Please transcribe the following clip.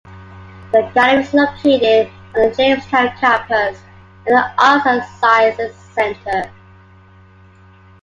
The gallery is located on the Jamestown Campus in the Arts and Sciences Center.